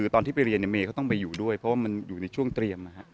ตอนที่ไปเรียนเมย์เขาต้องไปอยู่ด้วยเพราะว่ามันอยู่ในช่วงเตรียมนะฮะ